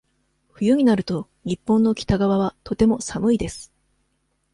冬になると、日本の北側はとても寒いです。